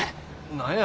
何や？